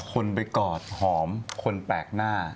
คนไปกอดหอมคนแปลกหน้า